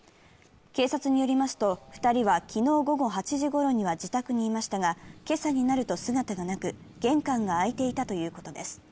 警察によりますと、２人は昨日午後８時ごろには自宅にいましたが今朝になると姿がなく、玄関が開いていたということです。